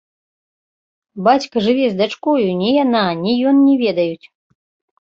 Бацька жыве з дачкою, ні яна, ні ён не ведаюць!